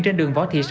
trên đường võ thị sáu